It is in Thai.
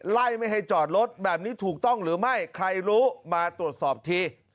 ไม่ให้จอดรถแบบนี้ถูกต้องหรือไม่ใครรู้มาตรวจสอบที